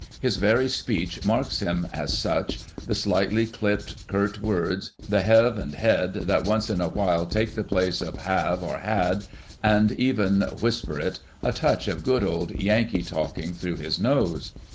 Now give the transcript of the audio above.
His very speech marks him as such — the slightly clipped, curt words; the "hev" and "hed" that once in a while take the place of have or had, and even (whisper it) a touch of good old Yankee, talking through his nose.